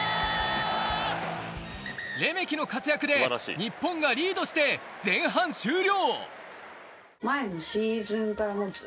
レメキの活躍で日本がリードして前半終了。